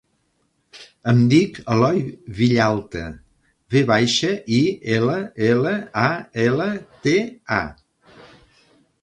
Em dic Eloi Villalta: ve baixa, i, ela, ela, a, ela, te, a.